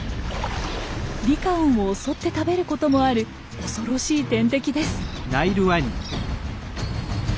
リカオンを襲って食べることもある恐ろしい天敵です。